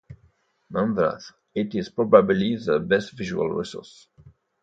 Nonetheless, it is probably the best visual resource.